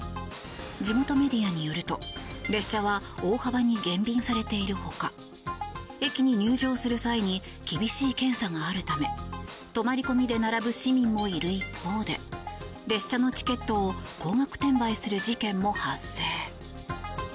地元メディアによると列車は大幅に減便されているほか駅に入場する際に厳しい検査があるため泊まり込みで並ぶ市民もいる一方で列車のチケットを高額転売する事件も発生。